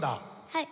はい。